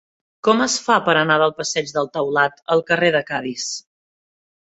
Com es fa per anar del passeig del Taulat al carrer de Cadis?